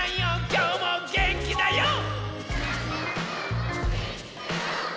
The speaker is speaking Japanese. きょうもげんきだＹＯ！」